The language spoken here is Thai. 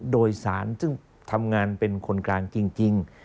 โดยสารซึ่งทำงานเป็นคนกลางจริง